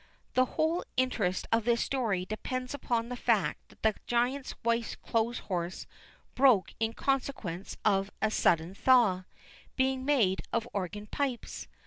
The whole interest of this story depends upon the fact that the giant's wife's clothes horse broke in consequence of a sudden thaw, being made of organ pipes.